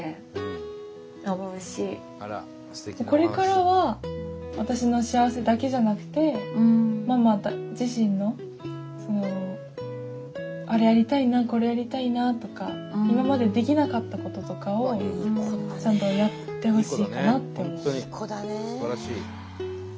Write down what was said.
これからは私の幸せだけじゃなくてママ自身のあれやりたいなこれやりたいなとか今までできなかったこととかをちゃんとやってほしいかなって思う。